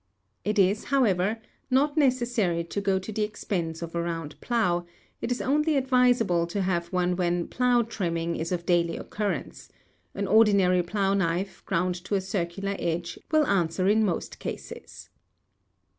It is, however, not necessary to go to the expense of a round plough, it is only advisable to have one when "plough trimming" is of daily occurrence; an ordinary plough knife, ground to a circular edge, will answer in most cases.